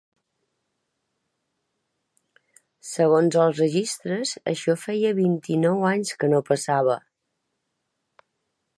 Segons els registres, això feia vint-i-nou anys que no passava.